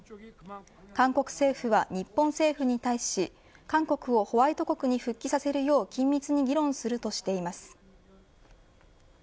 韓国政府は日本政府に対し韓国をホワイト国に復帰させるよう緊密に議論するとしています。